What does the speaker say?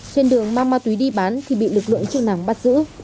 trên đường mang ma túy đi bán thì bị lực lượng chức năng bắt giữ